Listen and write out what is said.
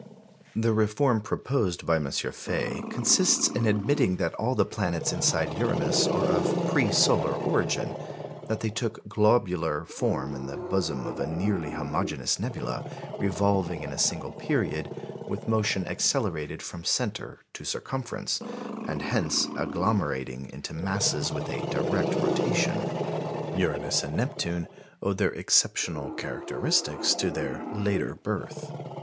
The reform proposed by M. Faye consists in admitting that all the planets inside Uranus are of pre solar origin that they took globular form in the bosom of a nearly homogeneous nebula, revolving in a single period, with motion accelerated from centre to circumference, and hence agglomerating into masses with a direct rotation. Uranus and Neptune owe their exceptional characteristics to their later birth.